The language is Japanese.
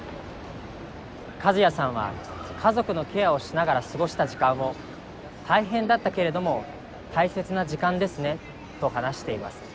カズヤさんは家族のケアをしながら過ごした時間を大変だったけれども大切な時間ですねと話しています。